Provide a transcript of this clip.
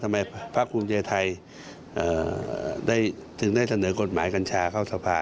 ภาคภูมิใจไทยถึงได้เสนอกฎหมายกัญชาเข้าสภา